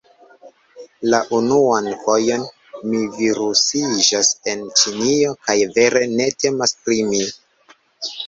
La unuan fojon - mi virusiĝas en Ĉinio, kaj, vere ne temas pri mi...